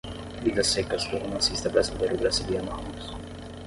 Vidas Secas, do romancista brasileiro Graciliano Ramos